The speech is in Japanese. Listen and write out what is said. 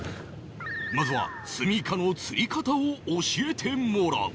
まずはスミイカの釣り方を教えてもらう